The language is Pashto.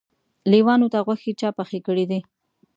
لېوانو ته غوښې چا پخې کړي دي؟